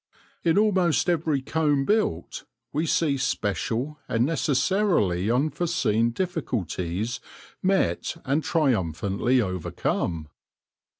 In almost every comb built we see special and necessarily unforeseen difficulties met and triumphantly overcome.